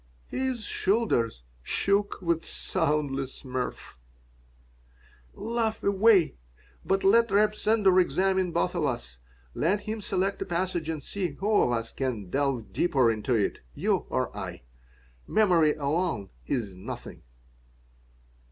His shoulders shook with soundless mirth "Laugh away. But let Reb Sender examine both of us. Let him select a passage and see who of us can delve deeper into it, you or I? Memory alone is nothing."